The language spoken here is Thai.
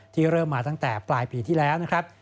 เริ่มมาตั้งแต่ปลายปีที่แล้วนะครับ